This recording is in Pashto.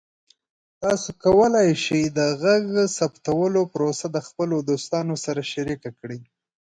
تاسو کولی شئ د غږ ثبتولو پروسه د خپلو دوستانو سره شریکه کړئ.